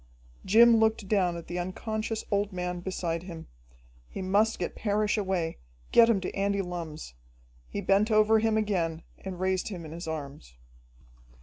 Jim looked down at the unconscious old man beside him. He must get Parrish away, get him to Andy Lumm's. He bent over him again and raised him in his arms.